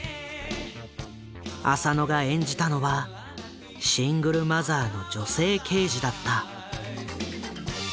浅野が演じたのはシングルマザーの女性刑事だった。